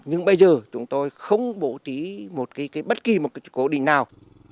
nhưng bây giờ chúng tôi không bố trí bất kỳ một cố định nào